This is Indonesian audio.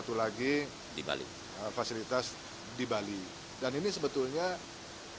terima kasih banyak banyak